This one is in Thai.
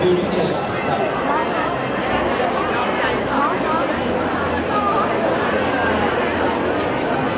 วิวิทยาลีจำกัด